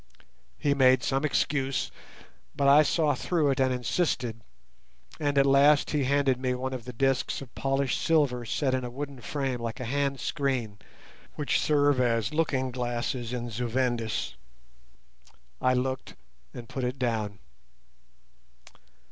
He made some excuse, but I saw through it and insisted, and at last he handed me one of the discs of polished silver set in a wooden frame like a hand screen, which serve as looking glasses in Zu Vendis. I looked and put it down.